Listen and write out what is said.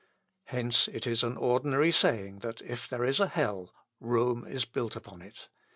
Hence, it is an ordinary saying, that if there is a hell, Rome is built upon it.